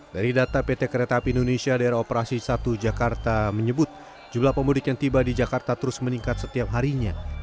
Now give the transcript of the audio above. dari data pt kereta api indonesia daerah operasi satu jakarta menyebut jumlah pemudik yang tiba di jakarta terus meningkat setiap harinya